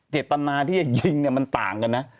เศรษฐนาที่ยิงมันต่างกันนะ